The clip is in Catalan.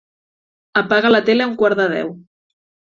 Apaga la tele a un quart de deu.